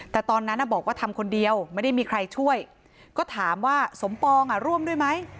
แต่ตอนนั้นบอกว่าทำคนเดียวไม่ได้มีใครช่วยก็ถามว่าสมปองร่วมด้วยไหม